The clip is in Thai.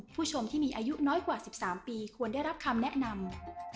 ผู้ชมที่มีอายุน้อยกว่า๑๓ปีควรได้รับคำแนะนำ